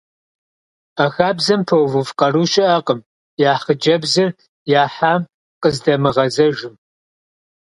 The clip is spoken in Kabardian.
А хабзэм пэувыф къару щыӏэкъым — яхь хъыджэбзыр, яхьам къыздамыгъэзэжым…